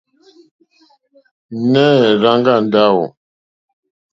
Nɛh Rzang'a Ndawo?